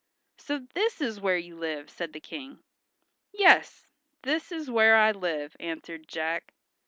"So this is where you live," said the King. "Yes, this is where I live," answered Jack.